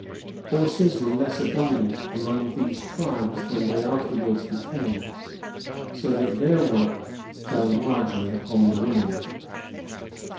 Horses were less abundant among these tribes than they afterwards became, so that their work fell largely upon the women.